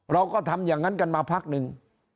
เราก็ทำอย่างนั้นกันมาพักหนึ่ง